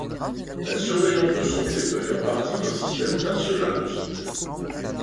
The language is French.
La surveillance de santé peut faire partie d’un système national de santé.